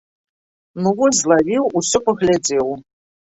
Ну вось злавіў, усё паглядзеў.